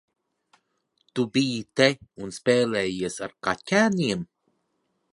Tu biji te un spēlējies ar kaķēniem?